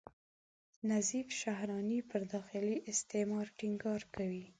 نظیف شهراني پر داخلي استعمار ټینګار کوي.